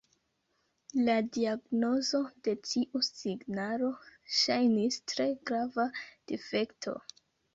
La diagnozo de tiu signalo ŝajnis tre grava difekto.